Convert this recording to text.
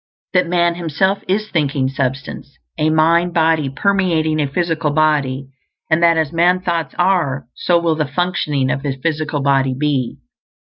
_ _That man himself is Thinking Substance; a mind body, permeating a physical body, and that as man's thoughts are, so will the functioning of his physical body be.